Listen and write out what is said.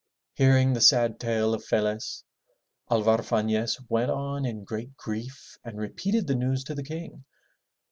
Hearing the sad tale of Felez, Alvar Fanez went on in great grief and repeated the news to the King.